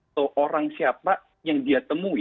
atau orang siapa yang dia temui